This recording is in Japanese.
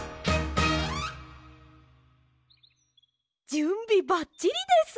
じゅんびばっちりです！